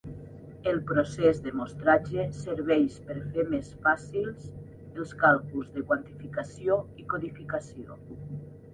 El procés de mostratge serveix per fer més fàcils els càlculs de quantificació i codificació.